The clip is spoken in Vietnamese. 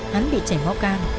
hắn bị chảy móc can